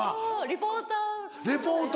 リポーター。